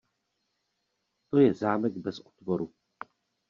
To je zámek bez otvoru.